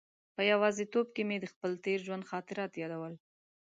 په یوازې توب کې مې د خپل تېر ژوند خاطرات یادول.